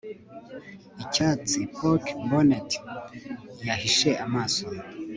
Icyatsi poke bonnet yahishe amaso